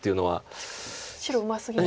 確かに白うますぎますか。